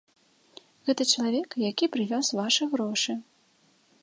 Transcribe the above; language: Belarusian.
Гэта чалавек, які прывёз вашы грошы.